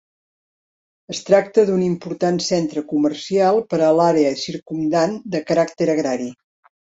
Es tracta d'un important centre comercial per a l'àrea circumdant, de caràcter agrari.